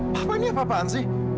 papa ini apaan sih